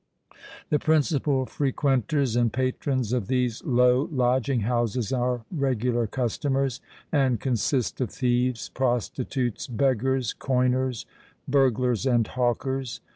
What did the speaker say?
The principal frequenters and patrons of these low lodging houses are regular customers, and consist of thieves, prostitutes, beggars, coiners, burglars, and hawkers.